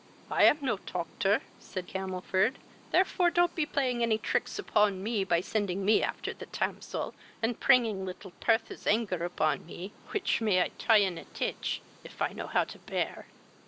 "I am no toctor, (said Camelford,) therefore don't be playing tricks upon me, by sending me after the tamsel, and pringing little Pertha's anger upon me, which, may I tie in a titch, if I how how to bear."